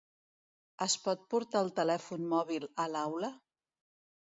Es pot portar el telèfon mòbil a l'aula?